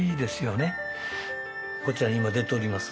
こちらに今出ております